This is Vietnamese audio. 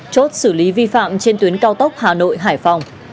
chốt xử lý vi phạm trên tuyến cao tốc hà nội hải phòng